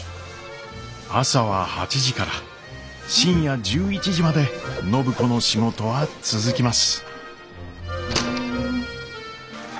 朝は８時から深夜１１時まで暢子の仕事は続きます。